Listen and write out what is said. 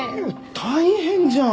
大変じゃん。